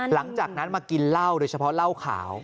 หลังจากนั้นมากินเหล้าโดยเฉพาะเหล้าขาว